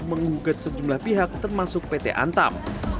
menggugat sejumlah pihak termasuk pt antam